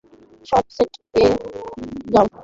সব সেট এ যাও।